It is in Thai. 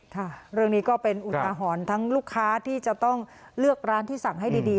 ค่ะเรื่องนี้ก็เป็นอุทาหรณ์ทั้งลูกค้าที่จะต้องเลือกร้านที่สั่งให้ดี